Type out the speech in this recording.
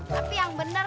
tapi yang bener